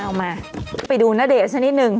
เอามาไปดูณเดชนิดนึง